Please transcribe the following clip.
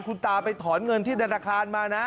คุณตาไปถอนเงินที่ธนาคารมานะ